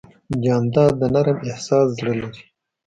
جانداد د نرم احساس زړه لري.